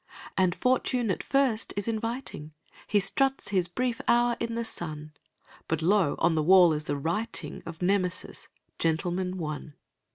And fortune at first is inviting He struts his brief hour in the sun But, lo! on the wall is the writing Of Nemesis, "Gentleman, One".